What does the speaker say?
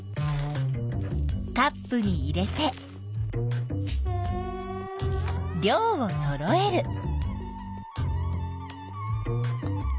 カップに入れて量をそろえる。